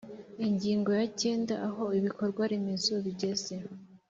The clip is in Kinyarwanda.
ingingo ya cyenda aho ibikorwaremezo bigeze